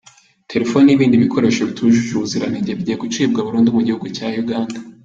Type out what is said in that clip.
Telefoni n’ibindi bikoresho bitujuje ubuziranenge bigiye gucibwa burundu Mugihugu Cyayuganda